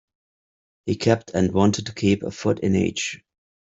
He kept and wanted to keep a foot in each.